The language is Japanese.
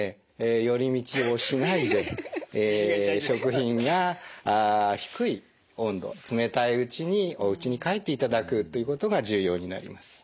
寄り道をしないで食品が低い温度冷たいうちにおうちに帰っていただくということが重要になります。